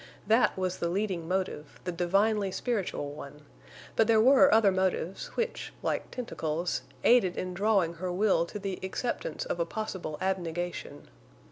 That was the leading motive, the divinely spiritual one; but there were other motives, which, like tentacles, aided in drawing her will to the acceptance of a possible abnegation.